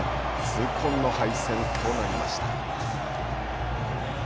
痛恨の敗戦となりました。